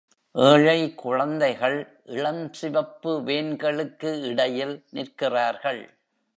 ஏழை குழந்தைகள் இளஞ்சிவப்பு வேன்களுக்கு இடையில் நிற்கிறார்கள்.